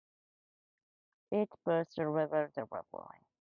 It pulls all the cycle parking data from transport for london